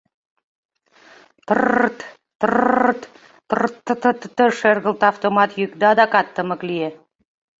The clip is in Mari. Тыррт! тыррт! тыртт! шергылте автомат йӱк, да адакат тымык лие.